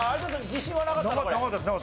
自信はなかったの？